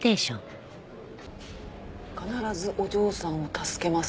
「必ずお嬢さんを助けます。